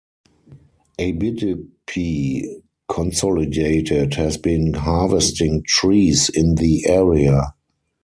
Abitibi Consolidated has been harvesting trees in the area.